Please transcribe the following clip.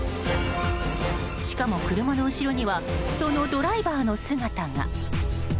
しかも、車の後ろにはそのドライバーの姿が。